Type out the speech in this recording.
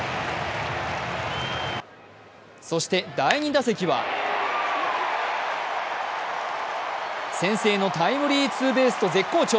そして第２打席は先生のタイムリーツーベースと絶好調。